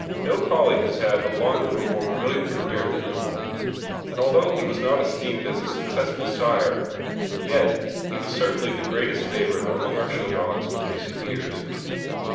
No Collie has had a longer or more brilliant career than Emerald, and although he was not esteemed as a successful sire, yet he was certainly the greatest favourite among our show dogs of recent years.